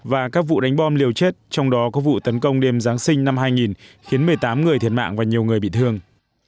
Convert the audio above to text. và các vụ đánh bom liều chết trong đó có vụ tấn công đêm giáng sinh năm hai nghìn khiến một mươi tám người thiệt mạng và nhiều người bị thương